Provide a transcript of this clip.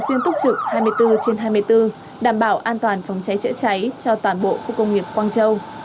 xuyên túc trực hai mươi bốn trên hai mươi bốn đảm bảo an toàn phòng cháy chữa cháy cho toàn bộ khu công nghiệp quang châu